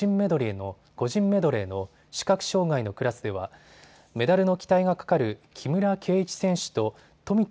個人メドレーの視覚障害のクラスではメダルの期待がかかる木村敬一選手と富田